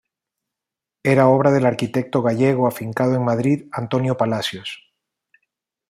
Era obra del arquitecto gallego afincado en Madrid Antonio Palacios.